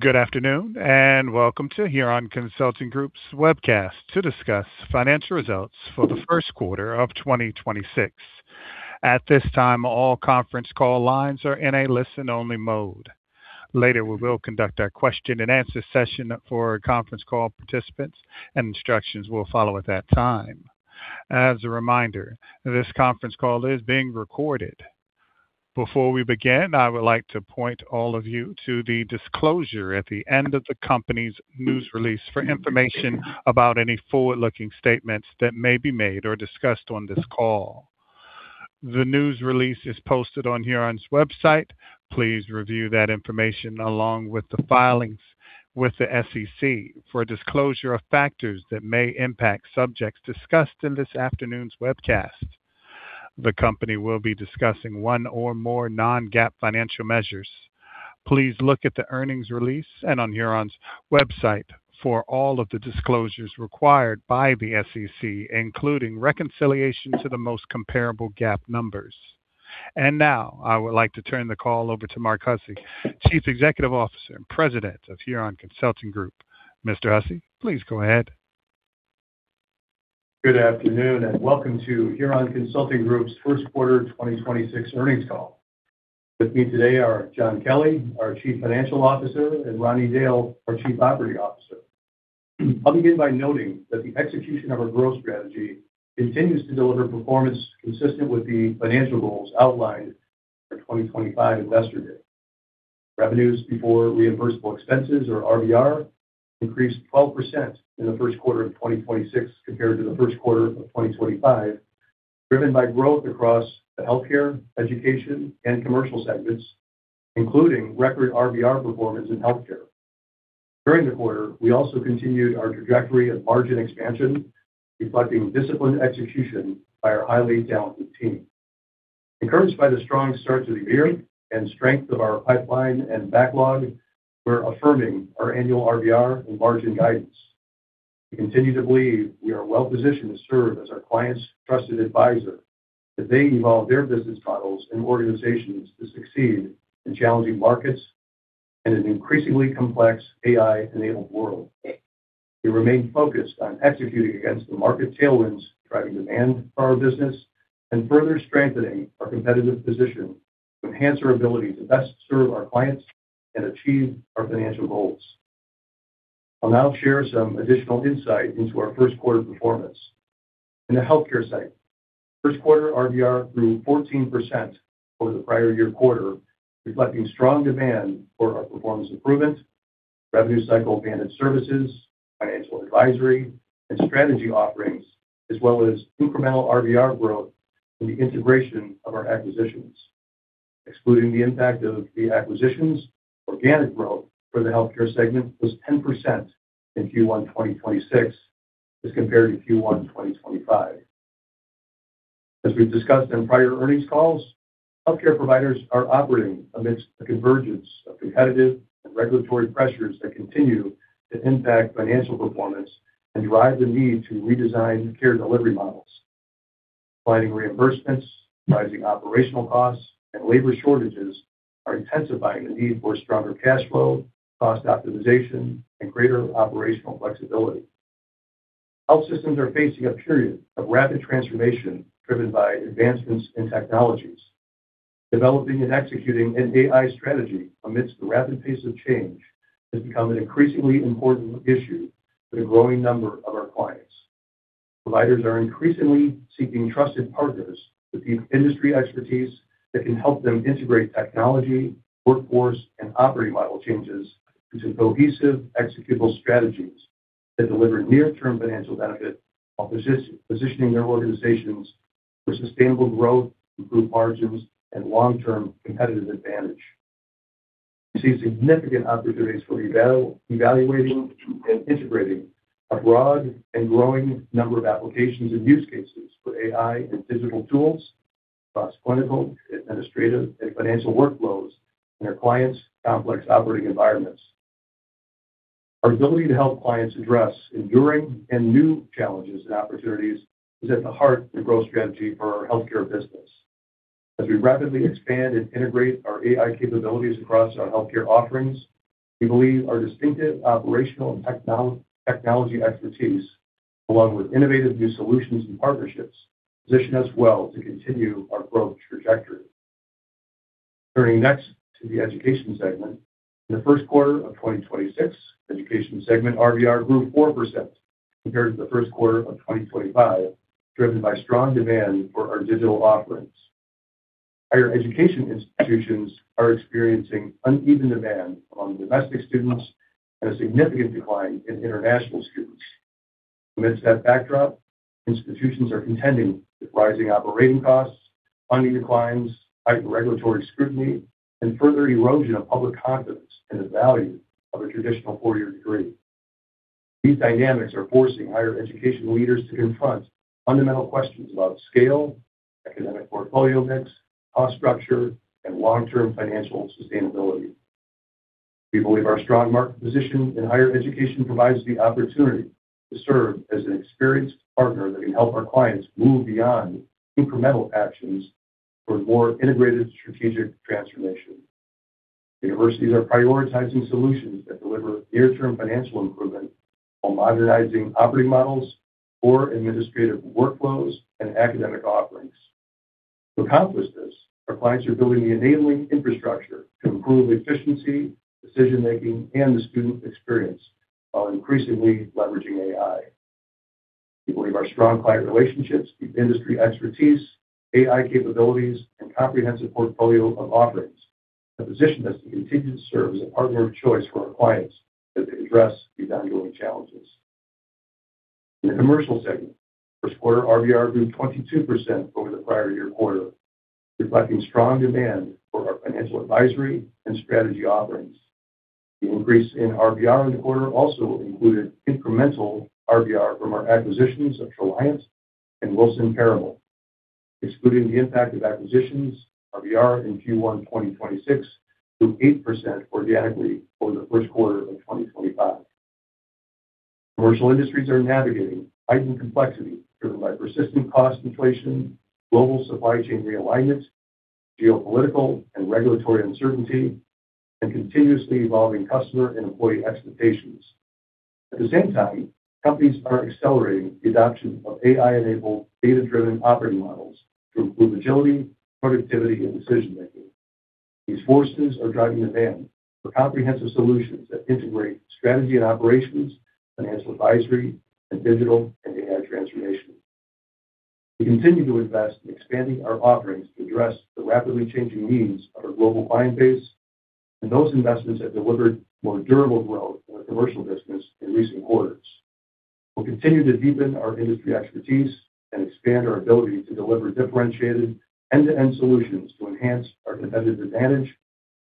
Good afternoon, welcome to Huron Consulting Group's webcast to discuss financial results for the first quarter of 2026. At this time, all conference call lines are in a listen-only mode. Later, we will conduct our question-and-answer session for conference call participants, and instructions will follow at that time. As a reminder, this conference call is being recorded. Before we begin, I would like to point all of you to the disclosure at the end of the company's news release for information about any forward-looking statements that may be made or discussed on this call. The news release is posted on Huron's website. Please review that information along with the filings with the SEC for a disclosure of factors that may impact subjects discussed in this afternoon's webcast. The company will be discussing one or more non-GAAP financial measures. Please look at the earnings release and on Huron's website for all of the disclosures required by the SEC, including reconciliation to the most comparable GAAP numbers. Now I would like to turn the call over to Mark Hussey, Chief Executive Officer and President of Huron Consulting Group. Mr. Hussey, please go ahead. Good afternoon, welcome to Huron Consulting Group's first quarter 2026 earnings call. With me today are John Kelly, our Chief Financial Officer, and Ronnie Dail, our Chief Operating Officer. I'll begin by noting that the execution of our growth strategy continues to deliver performance consistent with the financial goals outlined for 2025 Investor Day. Revenues before reimbursable expenses or RVR increased 12% in the first quarter of 2026 compared to the first quarter of 2025, driven by growth across the Healthcare, Education, and Commercial segments, including record RVR performance in Healthcare. During the quarter, we also continued our trajectory of margin expansion, reflecting disciplined execution by our highly talented team. Encouraged by the strong start to the year and strength of our pipeline and backlog, we're affirming our annual RVR and margin guidance. We continue to believe we are well-positioned to serve as our clients' trusted advisor as they evolve their business models and organizations to succeed in challenging markets and an increasingly complex AI-enabled world. We remain focused on executing against the market tailwinds, driving demand for our business and further strengthening our competitive position to enhance our ability to best serve our clients and achieve our financial goals. I'll now share some additional insight into our first quarter performance. In the Healthcare segment, first quarter RVR grew 14% over the prior year quarter, reflecting strong demand for our performance improvement, revenue cycle management services, financial advisory, and strategy offerings, as well as incremental RVR growth from the integration of our acquisitions. Excluding the impact of the acquisitions, organic growth for the Healthcare segment was 10% in Q1 2026 as compared to Q1 2025. As we've discussed in prior earnings calls, healthcare providers are operating amidst a convergence of competitive and regulatory pressures that continue to impact financial performance and drive the need to redesign care delivery models. Declining reimbursements, rising operational costs, and labor shortages are intensifying the need for stronger cash flow, cost optimization, and greater operational flexibility. Health systems are facing a period of rapid transformation driven by advancements in technologies. Developing and executing an AI strategy amidst the rapid pace of change has become an increasingly important issue for the growing number of our clients. Providers are increasingly seeking trusted partners with deep industry expertise that can help them integrate technology, workforce, and operating model changes into cohesive, executable strategies that deliver near-term financial benefit while positioning their organizations for sustainable growth, improved margins, and long-term competitive advantage. We see significant opportunities for evaluating and integrating a broad and growing number of applications and use cases for AI and digital tools across clinical, administrative, and financial workflows in our clients' complex operating environments. Our ability to help clients address enduring and new challenges and opportunities is at the heart of the growth strategy for our healthcare business. As we rapidly expand and integrate our AI capabilities across our healthcare offerings, we believe our distinctive operational and technology expertise, along with innovative new solutions and partnerships, position us well to continue our growth trajectory. Turning next to the Education Segment. In the first quarter of 2026, Education Segment RVR grew 4% compared to the first quarter of 2025, driven by strong demand for our digital offerings. Higher education institutions are experiencing uneven demand among domestic students and a significant decline in international students. Amidst that backdrop, institutions are contending with rising operating costs, funding declines, heightened regulatory scrutiny, and further erosion of public confidence in the value of a traditional four-year degree. These dynamics are forcing higher education leaders to confront fundamental questions about scale, academic portfolio mix, cost structure, and long-term financial sustainability. We believe our strong market position in higher education provides the opportunity to serve as an experienced partner that can help our clients move beyond incremental actions for more integrated strategic transformation. Universities are prioritizing solutions that deliver near-term financial improvement while modernizing operating models for administrative workflows and academic offerings. To accomplish this, our clients are building the enabling infrastructure to improve efficiency, decision-making and the student experience while increasingly leveraging AI. We believe our strong client relationships, the industry expertise, AI capabilities, and comprehensive portfolio of offerings have positioned us to continue to serve as a partner of choice for our clients as they address the evolving challenges. In the Commercial segment, first quarter RBR grew 22% over the prior year quarter, reflecting strong demand for our financial advisory and strategy offerings. The increase in RBR in the quarter also included incremental RBR from our acquisitions of Treliant and Wilson Perumal. Excluding the impact of acquisitions, RBR in Q1 2026 grew 8% organically over the first quarter of 2025. Commercial industries are navigating heightened complexity driven by persistent cost inflation, global supply chain realignment, geopolitical and regulatory uncertainty, and continuously evolving customer and employee expectations. At the same time, companies are accelerating the adoption of AI-enabled, data-driven operating models to improve agility, productivity, and decision-making. These forces are driving demand for comprehensive solutions that integrate strategy and operations, financial advisory, and digital and AI transformation. We continue to invest in expanding our offerings to address the rapidly changing needs of our global client base, and those investments have delivered more durable growth in our commercial business in recent quarters. We'll continue to deepen our industry expertise and expand our ability to deliver differentiated end-to-end solutions to enhance our competitive advantage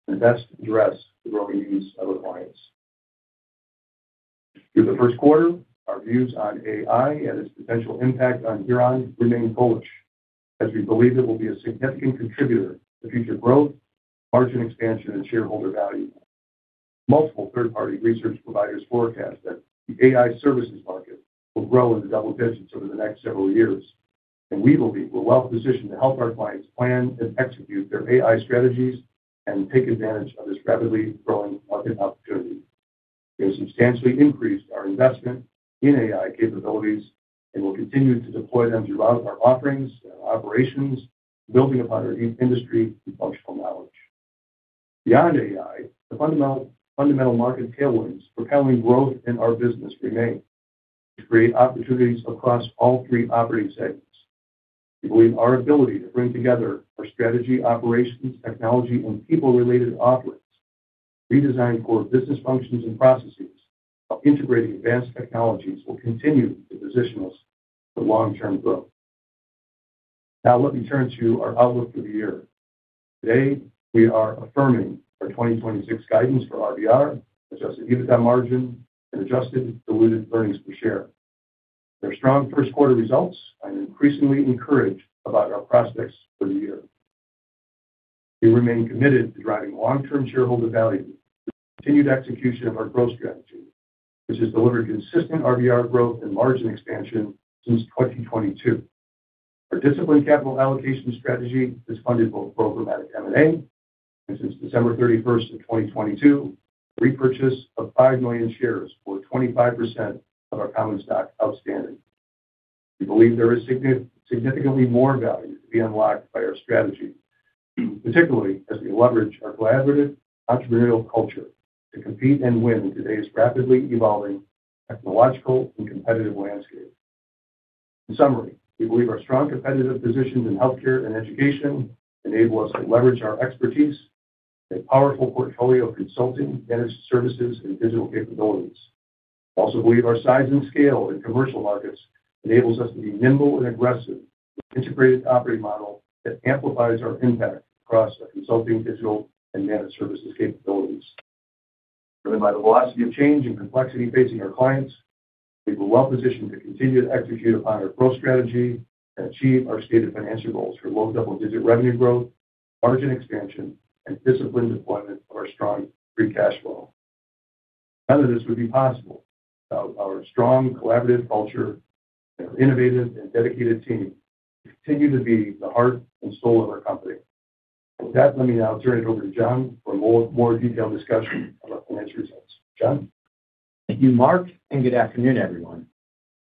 and best address the growing needs of our clients. Through the first quarter, our views on AI and its potential impact on Huron remain bullish, as we believe it will be a significant contributor to future growth, margin expansion, and shareholder value. Multiple third-party research providers forecast that the AI services market will grow in the double digits over the next several years, and we believe we're well-positioned to help our clients plan and execute their AI strategies and take advantage of this rapidly growing market opportunity. We have substantially increased our investment in AI capabilities and will continue to deploy them throughout our offerings and operations, building upon our deep industry and functional knowledge. Beyond AI, the fundamental market tailwinds propelling growth in our business remain to create opportunities across all three operating segments. We believe our ability to bring together our strategy, operations, technology, and people-related offerings, redesigned core business functions and processes while integrating advanced technologies will continue to position us for long-term growth. Now let me turn to our outlook for the year. Today, we are affirming our 2026 guidance for RBR, adjusted EBITDA margin, and adjusted diluted earnings per share. There are strong first quarter results. I'm increasingly encouraged about our prospects for the year. We remain committed to driving long-term shareholder value through continued execution of our growth strategy, which has delivered consistent RBR growth and margin expansion since 2022. Our disciplined capital allocation strategy has funded both programmatic M&A and since December 31st, 2022, repurchase of 5 million shares, or 25% of our common stock outstanding. We believe there is significantly more value to be unlocked by our strategy, particularly as we leverage our collaborative entrepreneurial culture to compete and win in today's rapidly evolving technological and competitive landscape. In summary, we believe our strong competitive positions in healthcare and education enable us to leverage our expertise and a powerful portfolio of consulting, managed services, and digital capabilities. We also believe our size and scale in commercial markets enables us to be nimble and aggressive with integrated operating model that amplifies our impact across our consulting, digital, and managed services capabilities. Driven by the velocity of change and complexity facing our clients, we believe we're well-positioned to continue to execute upon our growth strategy and achieve our stated financial goals for low double-digit revenue growth, margin expansion, and disciplined deployment of our strong free cash flow. None of this would be possible without our strong collaborative culture and our innovative and dedicated team who continue to be the heart and soul of our company. With that, let me now turn it over to John for more detailed discussion about financial results. John? Thank you, Mark. Good afternoon, everyone.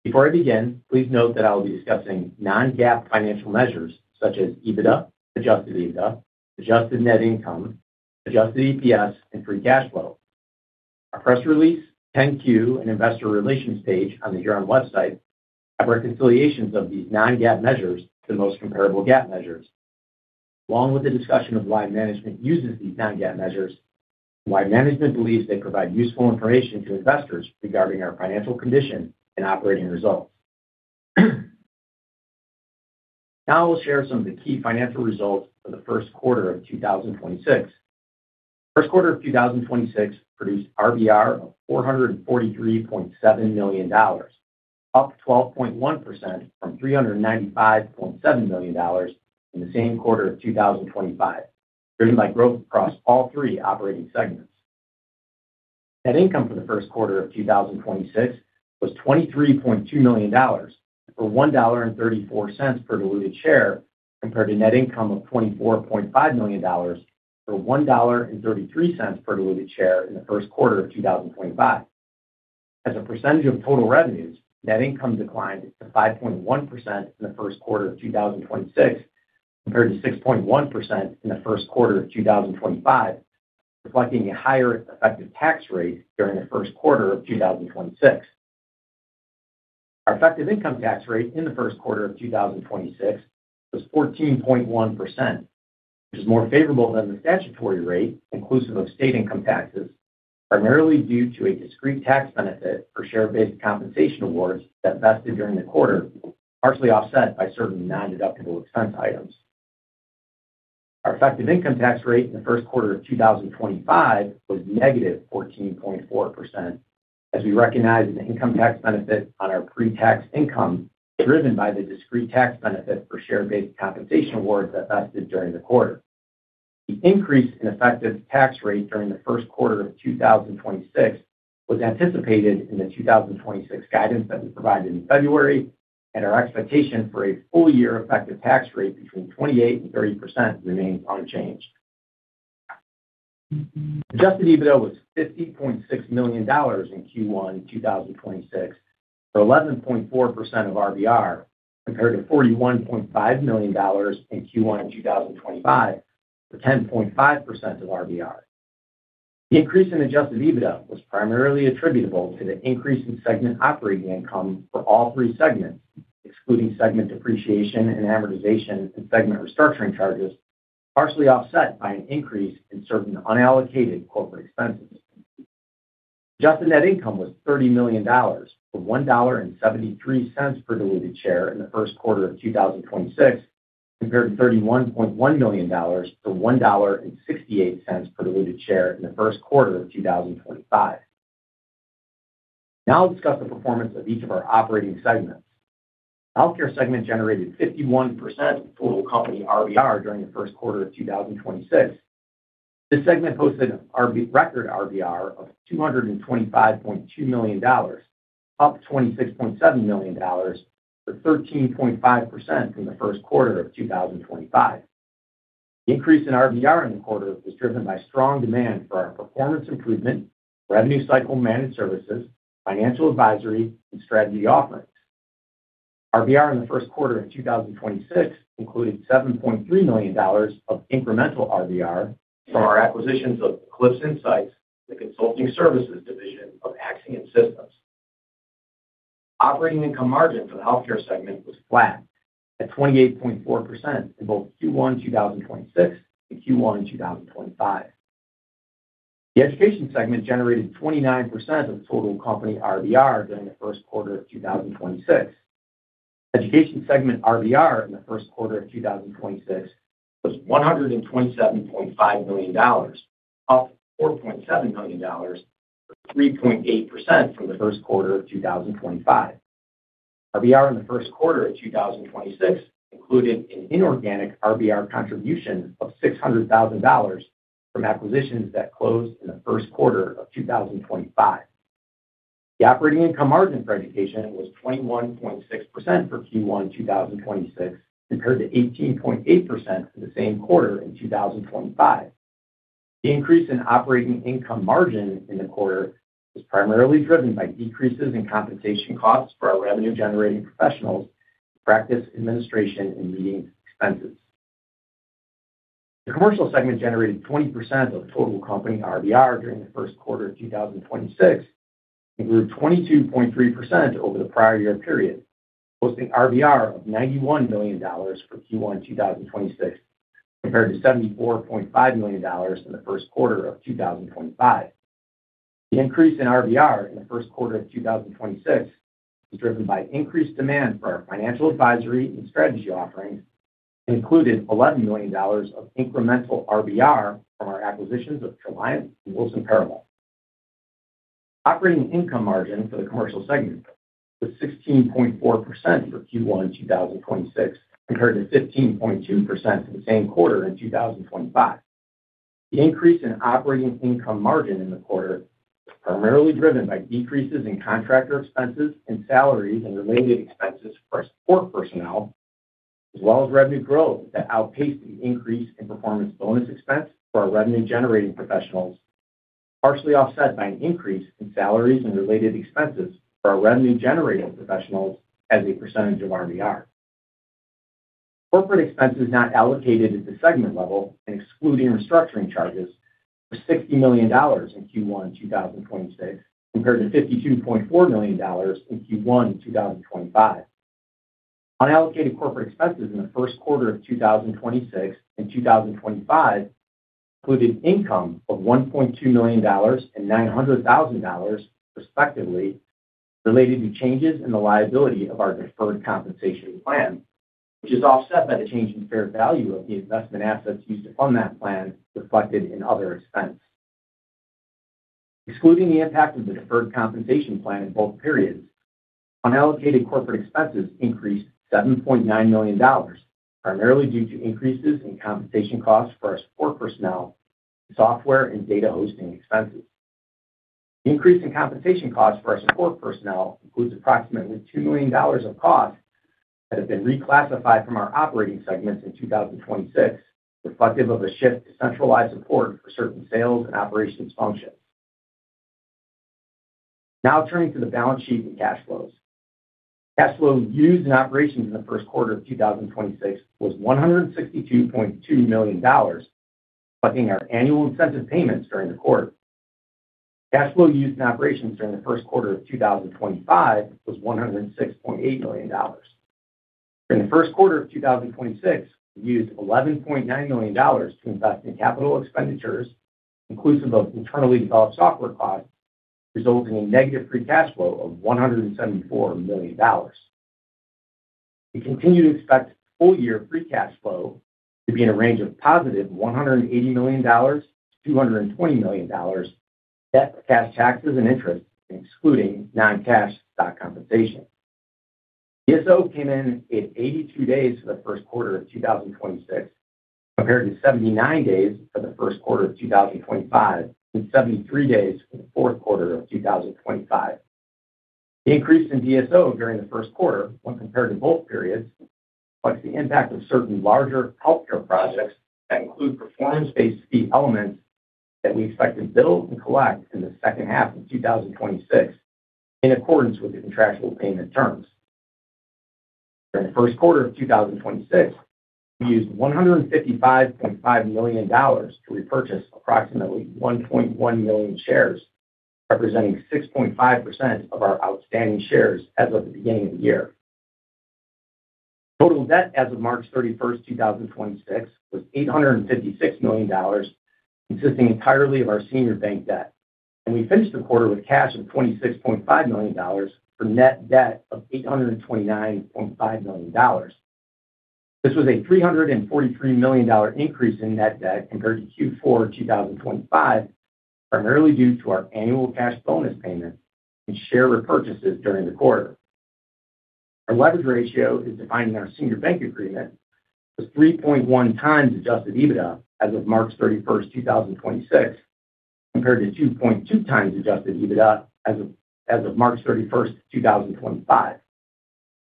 Before I begin, please note that I will be discussing non-GAAP financial measures such as EBITDA, adjusted EBITDA, adjusted net income, adjusted EPS, and free cash flow. Our press release, 10-Q, and investor relations page on the Huron website have reconciliations of these non-GAAP measures to the most comparable GAAP measures, along with the discussion of why management uses these non-GAAP measures and why management believes they provide useful information to investors regarding our financial condition and operating results. I will share some of the key financial results for the first quarter of 2026. First quarter of 2026 produced RBR of $443.7 million, up 12.1% from $395.7 million in the same quarter of 2025, driven by growth across all three operating segments. Net income for the first quarter of 2026 was $23.2 million, or $1.34 per diluted share, compared to net income of $24.5 million, or $1.33 per diluted share in the first quarter of 2025. As a percentage of total revenues, net income declined to 5.1% in Q1 2026 compared to 6.1% in Q1 2025, reflecting a higher effective tax rate during Q1 2026. Our effective income tax rate in Q1 2026 was 14.1%, which is more favorable than the statutory rate inclusive of state income taxes, primarily due to a discrete tax benefit for share-based compensation awards that vested during the quarter, partially offset by certain nondeductible expense items. Our effective income tax rate in the first quarter of 2025 was -14.4% as we recognized an income tax benefit on our pre-tax income, driven by the discrete tax benefit for share-based compensation awards that vested during the quarter. The increase in effective tax rate during the first quarter of 2026 was anticipated in the 2026 guidance that we provided in February, and our expectation for a full-year effective tax rate between 28% and 30% remains unchanged. Adjusted EBITDA was $50.6 million in Q1 in 2026, for 11.4% of RBR, compared to $41.5 million in Q1 in 2025, for 10.5% of RBR. The increase in adjusted EBITDA was primarily attributable to the increase in segment operating income for all three segments, excluding segment depreciation and amortization and segment restructuring charges, partially offset by an increase in certain unallocated corporate expenses. Adjusted net income was $30 million, or $1.73 per diluted share in the first quarter of 2026, compared to $31.1 million, or $1.68 per diluted share in the first quarter of 2025. Now I'll discuss the performance of each of our operating segments. Healthcare segment generated 51% of total company RBR during the first quarter of 2026. This segment posted record RBR of $225.2 million, up $26.7 million, for 13.5% from the first quarter of 2025. The increase in RBR in the quarter was driven by strong demand for our performance improvement, revenue cycle managed services, financial advisory, and strategy offerings. RBR in the first quarter of 2026 included $7.3 million of incremental RBR from our acquisitions of Eclipse Insights, the consulting services division of AXIA Consulting. Operating income margin for the Healthcare segment was flat at 28.4% in both Q1 2026 and Q1 in 2025. The Education segment generated 29% of total company RBR during the first quarter of 2026. Education segment RBR in the first quarter of 2026 was $127.5 million, up $4.7 million, 3.8% from the first quarter of 2025. RBR in the first quarter of 2026 included an inorganic RBR contribution of $600,000 from acquisitions that closed in the first quarter of 2025. The operating income margin for Education was 21.6% for Q1 2026 compared to 18.8% for the same quarter in 2025. The increase in operating income margin in the quarter was primarily driven by decreases in compensation costs for our revenue-generating professionals, practice administration, and meeting expenses. The Commercial segment generated 20% of total company RBR during the first quarter of 2026, including 22.3% over the prior year period, hosting RBR of $91 million for Q1 2026 compared to $74.5 million in the first quarter of 2025. The increase in RBR in the first quarter of 2026 was driven by increased demand for our financial advisory and strategy offerings, and included $11 million of incremental RBR from our acquisitions of Treliant and Wilson Perumal. Operating income margin for the Commercial segment was 16.4% for Q1 2026 compared to 15.2% for the same quarter in 2025. The increase in operating income margin in the quarter was primarily driven by decreases in contractor expenses and salaries and related expenses for our support personnel, as well as revenue growth that outpaced the increase in performance bonus expense for our revenue-generating professionals, partially offset by an increase in salaries and related expenses for our revenue-generating professionals as a percentage of RBR. Corporate expenses not allocated at the segment level and excluding restructuring charges was $60 million in Q1 2026 compared to $52.4 million in Q1 2025. Unallocated corporate expenses in the first quarter of 2026 and 2025 included income of $1.2 million and $900,000 respectively related to changes in the liability of our deferred compensation plan, which is offset by the change in fair value of the investment assets used to fund that plan reflected in other expense. Excluding the impact of the deferred compensation plan in both periods, unallocated corporate expenses increased to $7.9 million, primarily due to increases in compensation costs for our support personnel, software, and data hosting expenses. The increase in compensation costs for our support personnel includes approximately $2 million of costs that have been reclassified from our operating segments in 2026, reflective of a shift to centralized support for certain sales and operations functions. Turning to the balance sheet and cash flows. Cash flow used in operations in the first quarter of 2026 was $162.2 million, reflecting our annual incentive payments during the quarter. Cash flow used in operations during the first quarter of 2025 was $106.8 million. During the first quarter of 2026, we used $11.9 million to invest in capital expenditures, inclusive of internally developed software costs, resulting in negative free cash flow of $174 million. We continue to expect full year free cash flow to be in a range of positive $180 million-$220 million, net of cash taxes and interest, and excluding non-cash stock compensation. DSO came in at 82 days for the first quarter of 2026, compared to 79 days for the first quarter of 2025 and 73 days for the fourth quarter of 2025. The increase in DSO during the first quarter when compared to both periods reflects the impact of certain larger healthcare projects that include performance-based fee elements that we expect to bill and collect in the second half of 2026 in accordance with the contractual payment terms. During the first quarter of 2026, we used $155.5 million to repurchase approximately 1.1 million shares, representing 6.5% of our outstanding shares as of the beginning of the year. Total debt as of March 31st, 2026 was $856 million, consisting entirely of our senior bank debt. We finished the quarter with cash of $26.5 million for net debt of $829.5 million. This was a $343 million increase in net debt compared to Q4 2025, primarily due to our annual cash bonus payment and share repurchases during the quarter. Our leverage ratio as defined in our senior bank agreement was 3.1x adjusted EBITDA as of March 31st, 2026, compared to 2.2x adjusted EBITDA as of March 31st, 2025.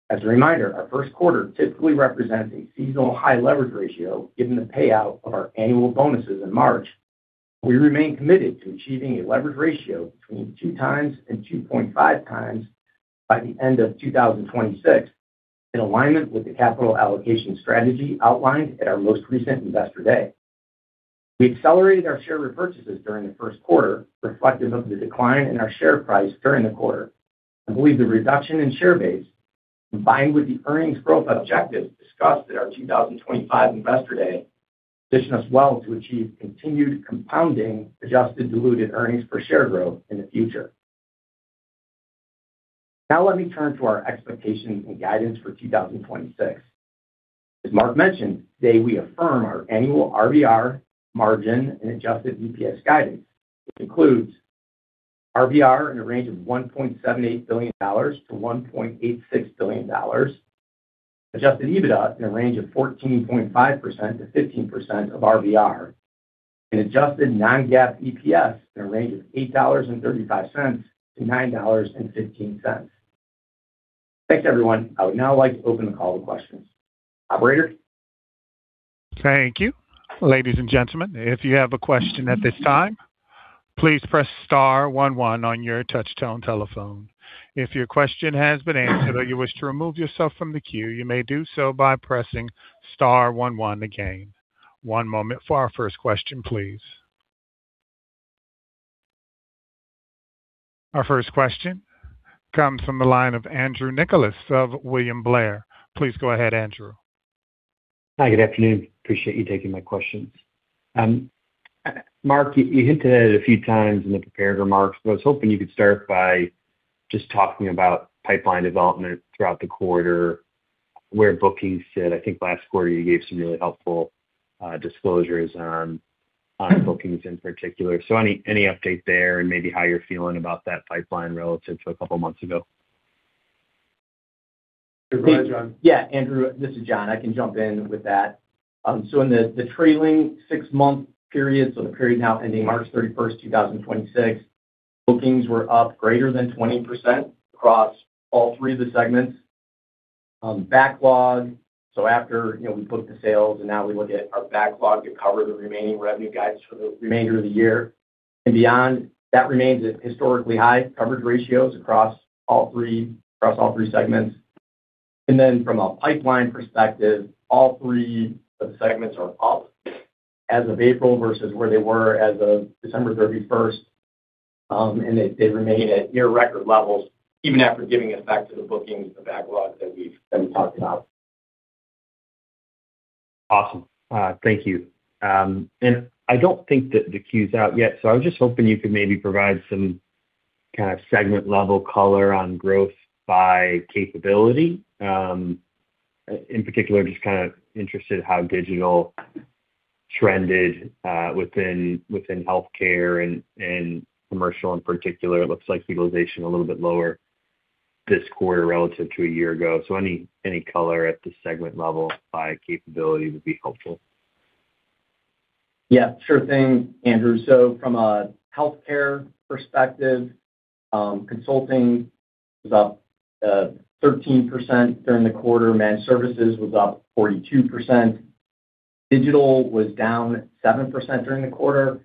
As a reminder, our first quarter typically represents a seasonal high leverage ratio given the payout of our annual bonuses in March. We remain committed to achieving a leverage ratio between 2x and 2.5x by the end of 2026, in alignment with the capital allocation strategy outlined at our most recent Investor Day. We accelerated our share repurchases during the first quarter, reflective of the decline in our share price during the quarter. I believe the reduction in share base, combined with the earnings growth objectives discussed at our 2025 Investor Day, position us well to achieve continued compounding adjusted diluted earnings per share growth in the future. Now let me turn to our expectations and guidance for 2026. As Mark mentioned, today we affirm our annual RVR margin and adjusted EPS guidance, which includes RVR in a range of $1.78 billion-$1.86 billion, adjusted EBITDA in a range of 14.5%-15% of RVR, and adjusted non-GAAP EPS in a range of $8.35-$9.15. Thanks, everyone. I would now like to open the call to questions. Operator? Our first question comes from the line of Andrew Nicholas of William Blair. Please go ahead, Andrew. Hi, good afternoon. Appreciate you taking my questions. Mark, you hinted at it a few times in the prepared remarks, but I was hoping you could start by just talking about pipeline development throughout the quarter, where bookings sit. I think last quarter you gave some really helpful disclosures on bookings in particular. Any update there and maybe how you're feeling about that pipeline relative to a couple of months ago? Yeah, Andrew, this is John. I can jump in with that. In the trailing six-month period, the period now ending March 31st, 2026, bookings were up greater than 20% across all three of the segments. Backlog, so after, you know, we book the sales, and now we look at our backlog to cover the remaining revenue guides for the remainder of the year and beyond, that remains at historically high coverage ratios across all three segments. From a pipeline perspective, all three of the segments are up as of April versus where they were as of December 31st. They remain at near record levels even after giving effect to the bookings and backlog that we talked about. Awesome. Thank you. I don't think that the 10-Q's out yet, so I was just hoping you could maybe provide some kind of segment-level color on growth by capability. In particular, just kind of interested how digital trended within healthcare and commercial in particular, it looks like utilization a little bit lower this quarter relative to a year ago. Any color at the segment level by capability would be helpful. Yeah, sure thing, Andrew. From a healthcare perspective, consulting was up 13% during the quarter. Managed services was up 42%. Digital was down 7% during the quarter.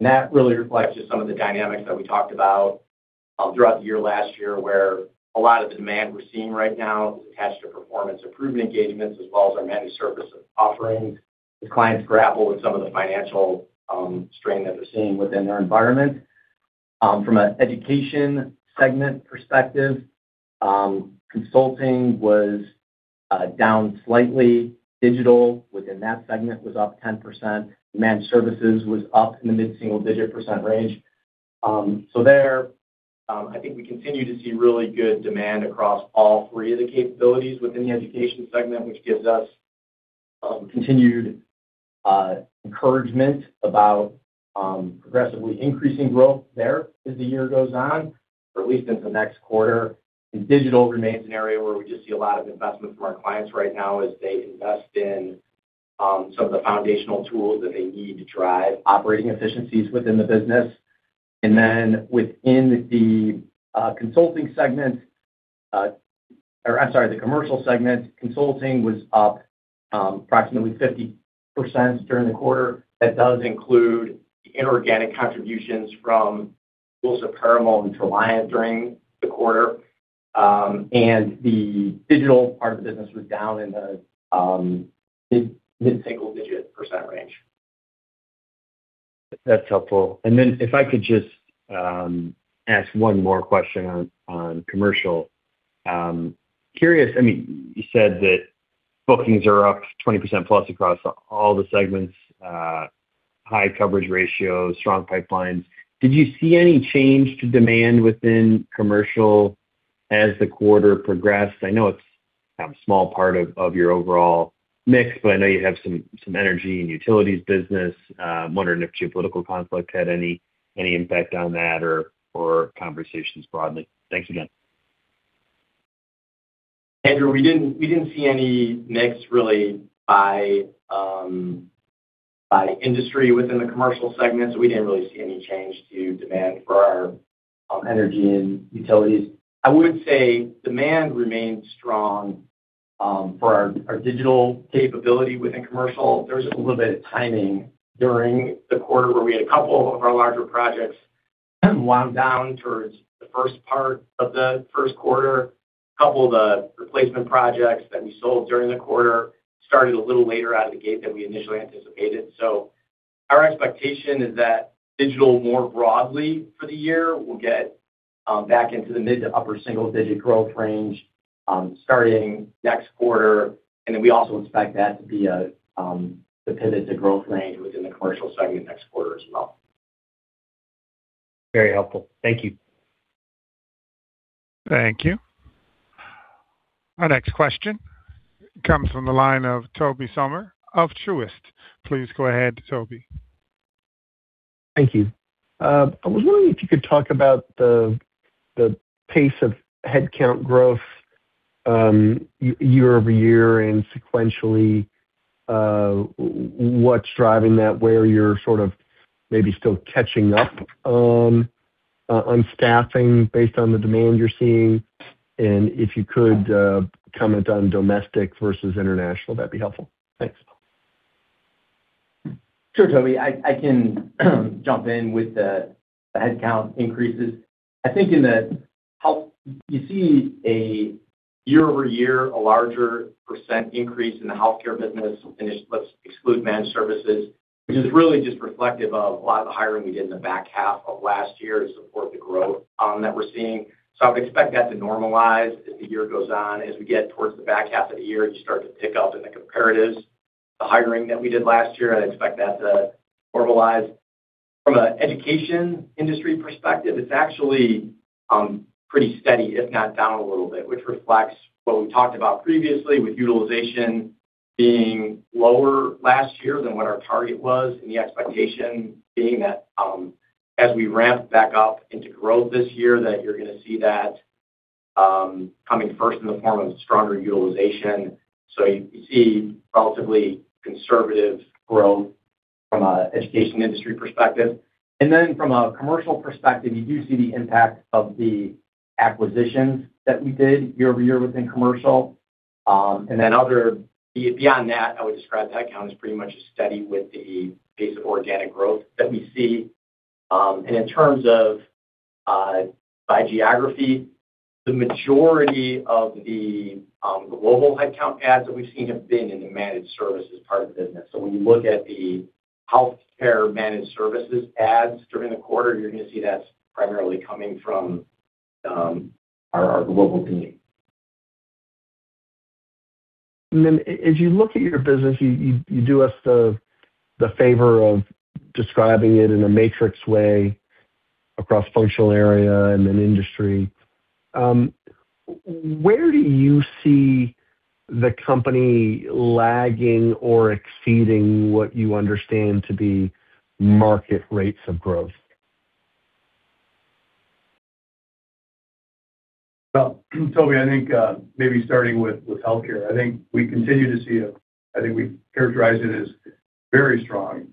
That really reflects just some of the dynamics that we talked about throughout the year last year, where a lot of the demand we're seeing right now is attached to performance improvement engagements as well as our managed service offerings as clients grapple with some of the financial strain that they're seeing within their environment. From a Education segment perspective, consulting was down slightly. Digital within that segment was up 10%. Managed services was up in the mid-single digit percent range. There, I think we continue to see really good demand across all three of the capabilities within the Education segment, which gives us continued encouragement about progressively increasing growth there as the year goes on, or at least into the next quarter. Digital remains an area where we just see a lot of investment from our clients right now as they invest in some of the foundational tools that they need to drive operating efficiencies within the business. Within the consulting segment, or I'm sorry, the Commercial segment, consulting was up approximately 50% during the quarter. That does include the inorganic contributions from Wilson Perumal and Treliant during the quarter. The digital part of the business was down in the mid-single digit percent range. That's helpful. If I could just ask one more question on Commercial. Curious, I mean, you said that bookings are up 20%+ across all the segments, high coverage ratios, strong pipelines. Did you see any change to demand within commercial as the quarter progressed? I know it's a small part of your overall mix, but I know you have some energy and utilities business. I'm wondering if geopolitical conflict had any impact on that or conversations broadly. Thanks again. Andrew, we didn't see any mix really by industry within the Commercial segment. We didn't really see any change to demand for our energy and utilities. I would say demand remains strong for our digital capability within commercial. There's a little bit of timing during the quarter where we had a couple of our larger projects wound down towards the first part of the first quarter. A couple of the replacement projects that we sold during the quarter started a little later out of the gate than we initially anticipated. Our expectation is that digital more broadly for the year will get back into the mid to upper single-digit growth range starting next quarter. We also expect that to be the pivot to growth range within the Commercial segment next quarter as well. Very helpful. Thank you. Thank you. Our next question comes from the line of Tobey Sommer of Truist. Please go ahead, Tobey. Thank you. I was wondering if you could talk about the pace of headcount growth, year-over-year and sequentially, what's driving that, where you're sort of maybe still catching up, on staffing based on the demand you're seeing. If you could comment on domestic versus international, that'd be helpful. Thanks. Sure, Tobey. I can jump in with the headcount increases. I think in the healthcare business, you see a year-over-year, a larger percent increase in the healthcare business. Let's exclude managed services, which is really just reflective of a lot of the hiring we did in the back half of last year to support the growth that we're seeing. I would expect that to normalize as the year goes on. As we get towards the back half of the year, you start to pick up in the comparatives the hiring that we did last year. I expect that to normalize. From a education industry perspective, it's actually pretty steady, if not down a little bit, which reflects what we talked about previously with utilization being lower last year than what our target was, and the expectation being that as we ramp back up into growth this year, that you're gonna see that coming first in the form of stronger utilization. You see relatively conservative growth from a education industry perspective. From a commercial perspective, you do see the impact of the acquisitions that we did year-over-year within commercial. Beyond that, I would describe that count as pretty much steady with the pace of organic growth that we see. In terms of by geography, the majority of the global headcount adds that we've seen have been in the managed services part of the business. When you look at the healthcare managed services adds during the quarter, you're gonna see that's primarily coming from our global team. As you look at your business, you do us the favor of describing it in a matrix way across functional area and then industry. Where do you see the company lagging or exceeding what you understand to be market rates of growth? Well, Tobey, I think maybe starting with healthcare, I think we continue to see I think we characterize it as very strong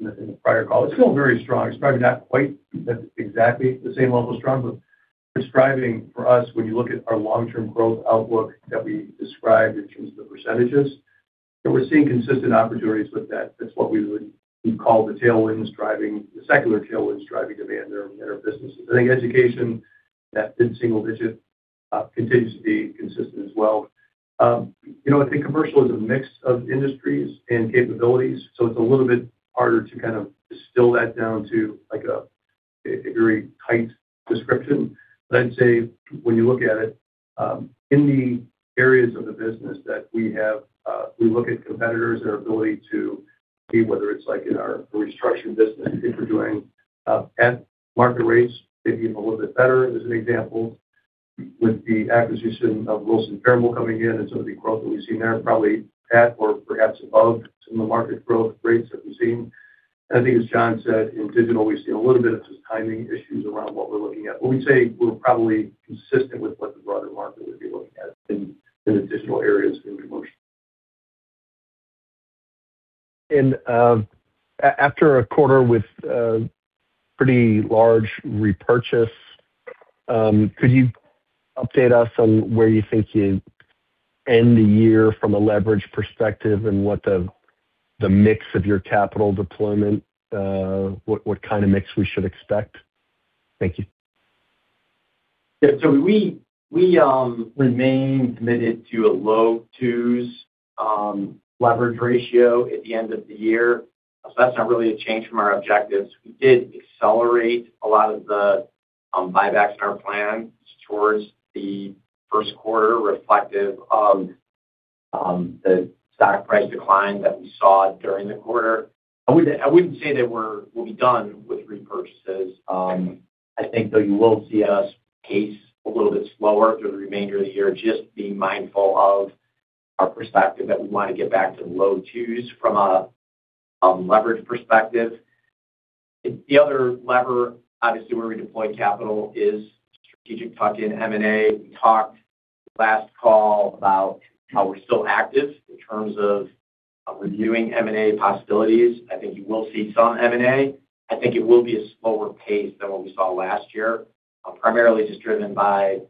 in the prior call. It's still very strong. It's probably not quite at exactly the same level of strong, describing for us when you look at our long-term growth outlook that we described in terms of the percentages, that we're seeing consistent opportunities with that. That's what we would call the tailwinds driving the secular tailwinds driving demand in our businesses. I think education, that mid-single digit, continues to be consistent as well. You know, I think commercial is a mix of industries and capabilities, so it's a little bit harder to kind of distill that down to like a very tight description. I'd say when you look at it, in the areas of the business that we have, we look at competitors and our ability to see whether it's, like, in our restructure business, if we're doing at market rates, maybe even a little bit better. As an example, with the acquisition of Wilson Perumal coming in and some of the growth that we've seen there, probably at or perhaps above some of the market growth rates that we've seen. I think as John said, in digital, we've seen a little bit of just timing issues around what we're looking at. We'd say we're probably consistent with what the broader market would be looking at in the digital areas in commercial. After a quarter with pretty large repurchase, could you update us on where you think you end the year from a leverage perspective and what the mix of your capital deployment, what kind of mix we should expect? Thank you. Yeah. We remain committed to a low 2xs leverage ratio at the end of the year. That's not really a change from our objectives. We did accelerate a lot of the buybacks in our plan towards the first quarter, reflective of the stock price decline that we saw during the quarter. I wouldn't say that we'll be done with repurchases. I think that you will see us pace a little bit slower through the remainder of the year, just being mindful of our perspective that we wanna get back to low 2xs from a leverage perspective. The other lever, obviously, where we deploy capital is strategic tuck-in M&A. We talked last call about how we're still active in terms of reviewing M&A possibilities. I think you will see some M&A. I think it will be a slower pace than what we saw last year, primarily just driven by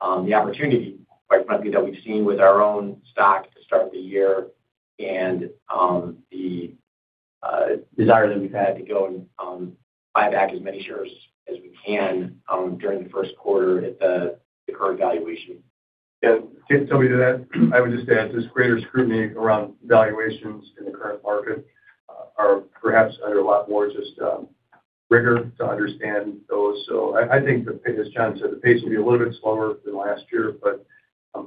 the opportunity, quite frankly, that we've seen with our own stock to start the year and the desire that we've had to go and buy back as many shares as we can during the first quarter at the current valuation. Yeah. To add to that, I would just add there's greater scrutiny around valuations in the current market, are perhaps under a lot more just rigor to understand those. I think that, as John said, the pace will be a little bit slower than last year.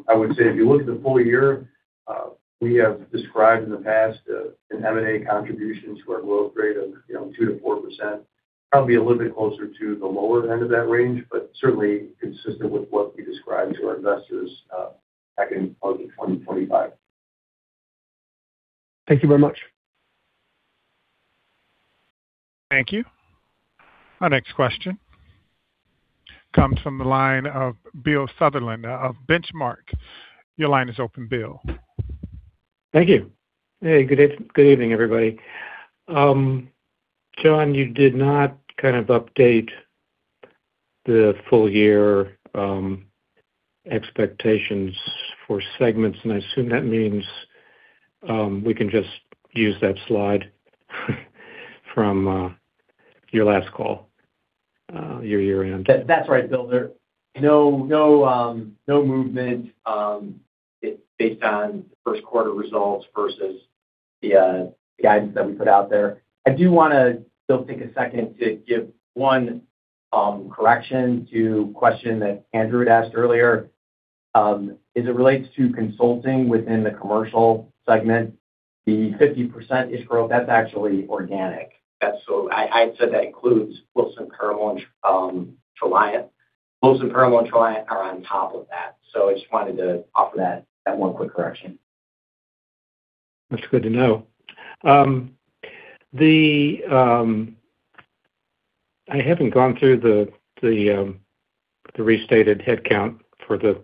I would say if you look at the full year, we have described in the past, an M&A contribution to our growth rate of, you know, 2%-4%. Probably be a little bit closer to the lower end of that range, but certainly consistent with what we described to our investors, back in August 2025. Thank you very much. Thank you. Our next question comes from the line of Bill Sutherland of Benchmark. Your line is open, Bill. Thank you. Hey, good evening, everybody. John, you did not kind of update the full year expectations for segments. I assume that means we can just use that slide from your last call, your year-end. That's right, Bill. No, no movement based on first quarter results versus the guidance that we put out there. I do wanna still take a second to give one correction to a question that Andrew had asked earlier. As it relates to consulting within the Commercial segment, the 50%-ish growth, that's actually organic. I said that includes Wilson Perumal and Treliant. Wilson Perumal and Treliant are on top of that. I just wanted to offer that one quick correction. That's good to know. The, I haven't gone through the restated headcount for the,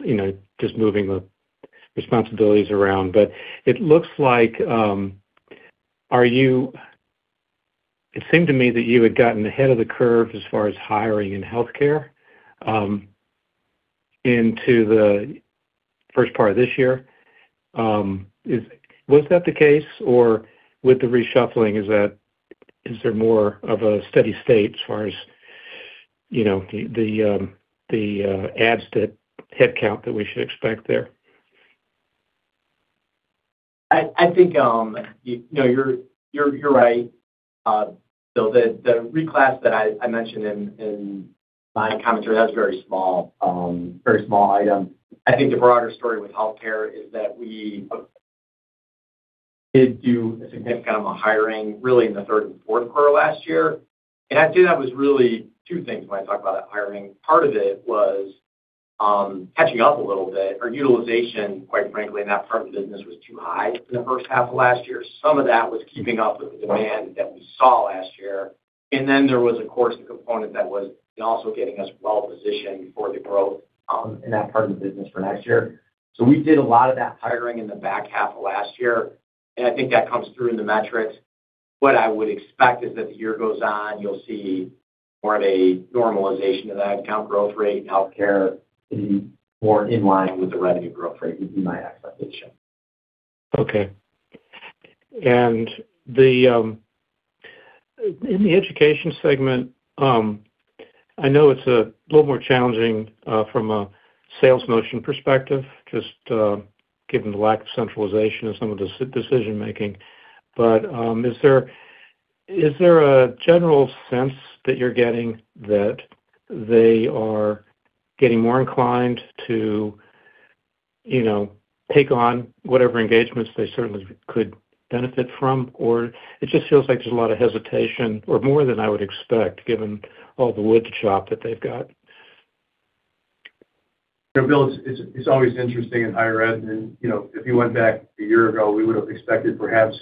you know, just moving the responsibilities around. It looks like, it seemed to me that you had gotten ahead of the curve as far as hiring in healthcare, into the first part of this year. Was that the case, or with the reshuffling, is there more of a steady state as far as, you know, the adds to headcount that we should expect there? I think, you know, you're right, Bill. The reclass that I mentioned in my commentary, that was very small item. I think the broader story with healthcare is that we did do a significant amount of hiring really in the third and fourth quarter last year. I'd say that was really two things when I talk about that hiring. Part of it was catching up a little bit. Our utilization, quite frankly, in that part of the business was too high in the first half of last year. Some of that was keeping up with the demand that we saw last year. There was, of course, the component that was also getting us well-positioned for the growth in that part of the business for next year. We did a lot of that hiring in the back half of last year, and I think that comes through in the metrics. What I would expect is that the year goes on, you'll see more of a normalization of that account growth rate in healthcare and more in line with the revenue growth rate would be my expectation. Okay. In the Education segment, I know it's a little more challenging from a sales motion perspective, just given the lack of centralization of some of the decision-making. Is there a general sense that you're getting that they are getting more inclined to, you know, take on whatever engagements they certainly could benefit from? Or it just feels like there's a lot of hesitation or more than I would expect, given all the wood shop that they've got. You know, Bill, it's always interesting in higher ed. You know, if you went back one year ago, we would have expected perhaps,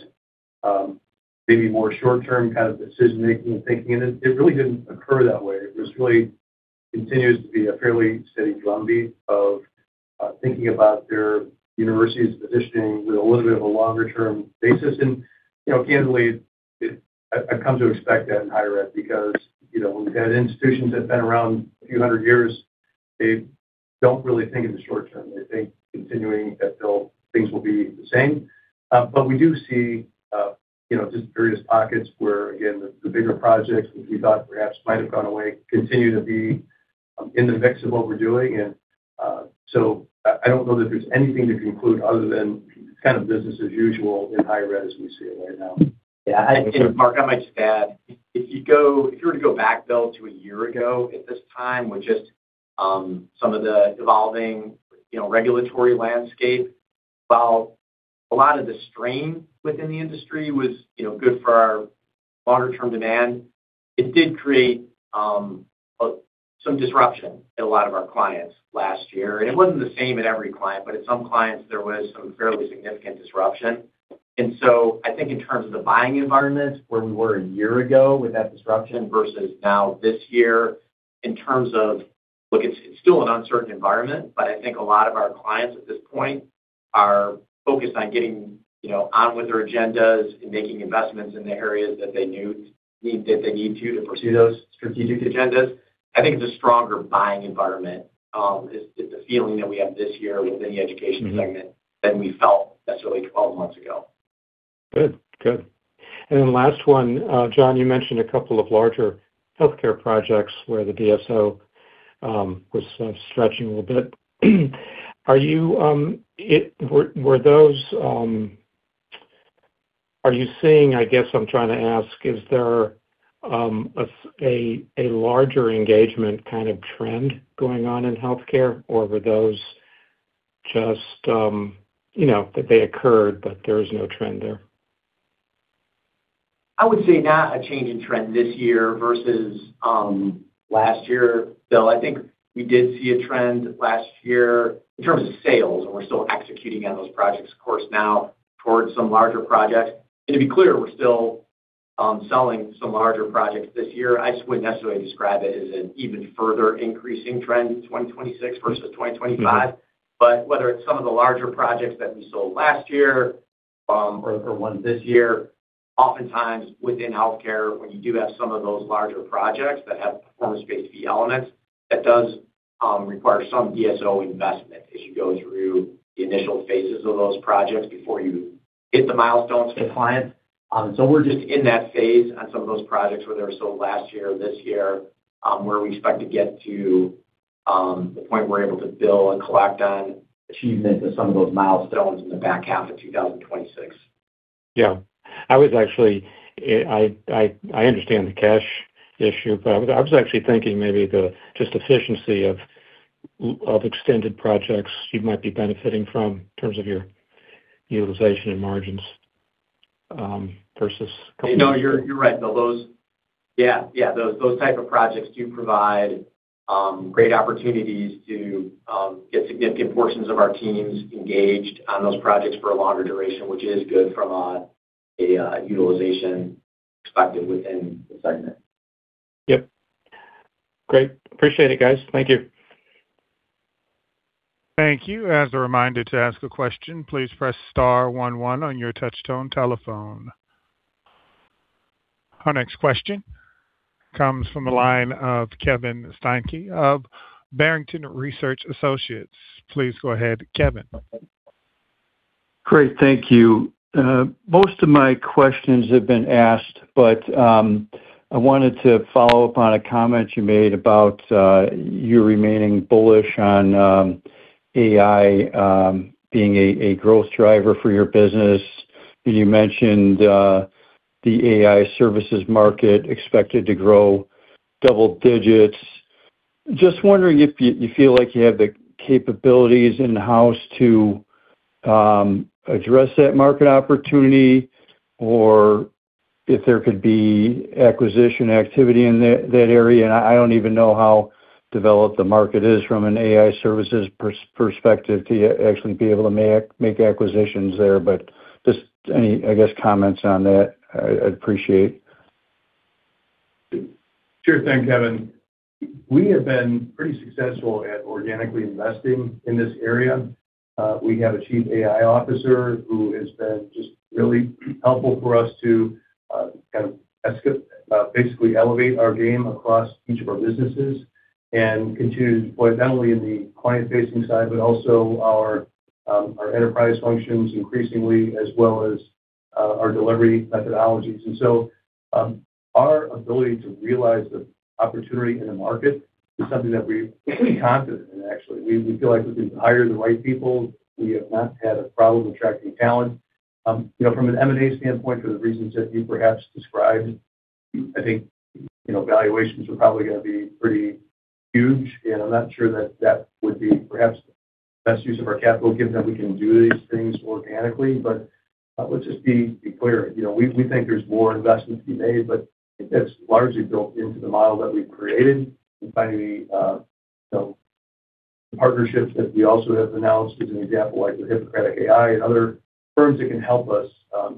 maybe more short-term kind of decision-making and thinking, and it really didn't occur that way. It was really continues to be a fairly steady drumbeat of thinking about their universities positioning with a little bit of a longer term basis. You know, candidly, I've come to expect that in higher ed because, you know, when we've had institutions that have been around a few hundred years, they don't really think in the short term. They think continuing that, Bill, things will be the same. We do see, you know, just various pockets where, again, the bigger projects which we thought perhaps might have gone away, continue to be in the mix of what we're doing. I don't know that there's anything to conclude other than kind of business as usual in higher ed as we see it right now. Yeah. Mark, I might just add, if you were to go back, Bill, to a year ago at this time with just, some of the evolving, you know, regulatory landscape. While a lot of the strain within the industry was, you know, good for our longer term demand, it did create, some disruption in a lot of our clients last year. It wasn't the same at every client, but at some clients there was some fairly significant disruption. I think in terms of the buying environment where we were a year ago with that disruption versus now this year, in terms of, Look, it's still an uncertain environment, but I think a lot of our clients at this point are focused on getting, you know, on with their agendas and making investments in the areas that they need to pursue those strategic agendas. I think it's a stronger buying environment, is the feeling that we have this year within the Education segment than we felt necessarily 12 months ago. Good. Good. Last one, John, you mentioned a couple of larger healthcare projects where the DSO was stretching a little bit. Are you seeing, I guess I'm trying to ask, is there a larger engagement kind of trend going on in healthcare? Or were those just, you know, that they occurred, but there is no trend there? I would say not a change in trend this year versus last year. Bill, I think we did see a trend last year in terms of sales, and we're still executing on those projects, of course now towards some larger projects. To be clear, we're still selling some larger projects this year. I just wouldn't necessarily describe it as an even further increasing trend in 2026 versus 2025. Whether it's some of the larger projects that we sold last year, or ones this year, oftentimes within healthcare, when you do have some of those larger projects that have performance-based fee elements, that does require some DSO investment as you go through the initial phases of those projects before you hit the milestones for the client. We're just in that phase on some of those projects, whether they were sold last year or this year, where we expect to get to the point we're able to bill and collect on achievement of some of those milestones in the back half of 2026. Yeah. I was actually, I understand the cash issue, but I was actually thinking maybe the just efficiency of extended projects you might be benefiting from in terms of your utilization and margins, versus. No, you're right, Bill. Those type of projects do provide great opportunities to get significant portions of our teams engaged on those projects for a longer duration, which is good from a utilization perspective within the segment. Yep. Great. Appreciate it, guys. Thank you. Thank you. As a reminder to ask a question, please press star one one on your touch-tone telephone. Our next question comes from the line of Kevin Steinke of Barrington Research Associates. Please go ahead, Kevin. Great. Thank you. Most of my questions have been asked, I wanted to follow up on a comment you made about you remaining bullish on AI being a growth driver for your business. You mentioned the AI services market expected to grow double digits. Just wondering if you feel like you have the capabilities in-house to address that market opportunity or if there could be acquisition activity in that area. I don't even know how developed the market is from an AI services perspective to actually be able to make acquisitions there. Just any, I guess, comments on that, I'd appreciate. Sure thing, Kevin. We have been pretty successful at organically investing in this area. We have a Chief AI Officer who has been just really helpful for us to kind of basically elevate our game across each of our businesses and continue to deploy not only in the client-facing side, but also our enterprise functions increasingly as well as our delivery methodologies. Our ability to realize the opportunity in the market is something that we're pretty confident in actually. We feel like we've hired the right people. We have not had a problem attracting talent. You know, from an M&A standpoint, for the reasons that you perhaps described, I think, you know, valuations are probably gonna be pretty huge. I'm not sure that that would be perhaps the best use of our capital given that we can do these things organically. Let's just be clear. You know, we think there's more investment to be made, but it gets largely built into the model that we've created and finding, you know, partnerships that we also have announced, as an example, like with Hippocratic AI and other firms that can help us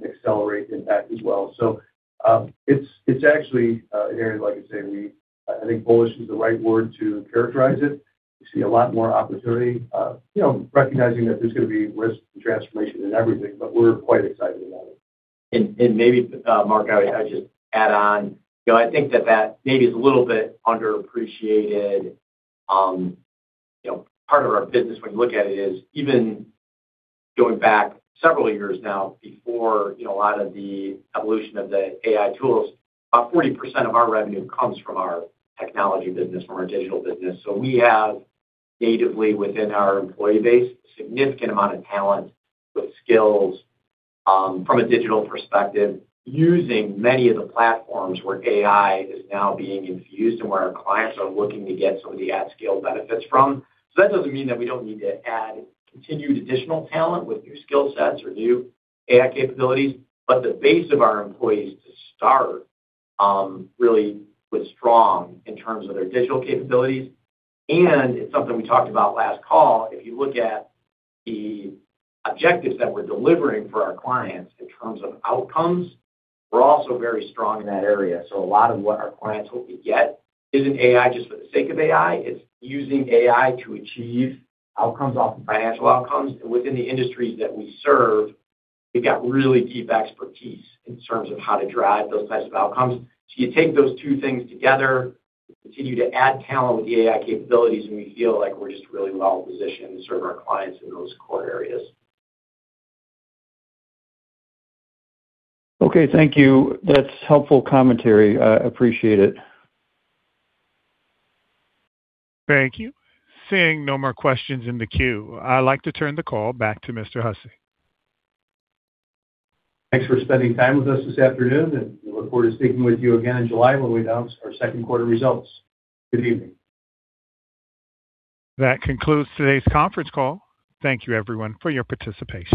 accelerate in that as well. It's actually an area like I say, I think bullish is the right word to characterize it. We see a lot more opportunity, you know, recognizing that there's gonna be risk and transformation in everything, but we're quite excited about it. Maybe, Mark, I'll just add on. You know, I think that maybe is a little bit underappreciated, you know, part of our business when you look at it is even going back several years now before, you know, a lot of the evolution of the AI tools, about 40% of our revenue comes from our technology business, from our digital business. We have natively within our employee base, significant amount of talent with skills from a digital perspective, using many of the platforms where AI is now being infused and where our clients are looking to get some of the at-scale benefits from. That doesn't mean that we don't need to add continued additional talent with new skill sets or new AI capabilities, but the base of our employees to start really was strong in terms of their digital capabilities. It's something we talked about last call. If you look at the objectives that we're delivering for our clients in terms of outcomes, we're also very strong in that area. A lot of what our clients hope to get isn't AI just for the sake of AI, it's using AI to achieve outcomes, often financial outcomes. Within the industries that we serve, we've got really deep expertise in terms of how to drive those types of outcomes. You take those two things together, continue to add talent with the AI capabilities, and we feel like we're just really well-positioned to serve our clients in those core areas. Okay. Thank you. That's helpful commentary. I appreciate it. Thank you. Seeing no more questions in the queue, I'd like to turn the call back to Mr. Hussey. Thanks for spending time with us this afternoon. We look forward to speaking with you again in July when we announce our second quarter results. Good evening. That concludes today's conference call. Thank you everyone for your participation.